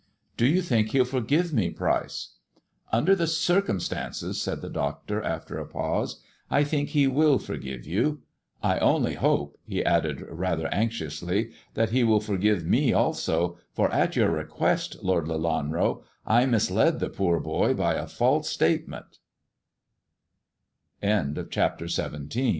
" Do you think he'll forgive me, Pryce 1 " "Under the circumstances," said the doctor, after a pause, I think he will forgive you. I only hope," he added rather anxiously, " that he will forgive me also, for at your request, Lord Lelanro, I misled the poor boy